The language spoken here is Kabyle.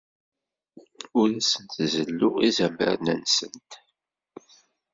Ur asent-zelluɣ izamaren-nsent.